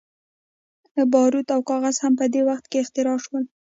باروت او کاغذ هم په دې وخت کې اختراع شول.